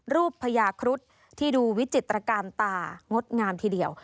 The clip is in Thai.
พญาครุฑที่ดูวิจิตรการตางดงามทีเดียว